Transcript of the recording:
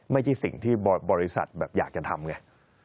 ไม่ใช่สิ่งที่บริษัทแบบอยากจะทำไง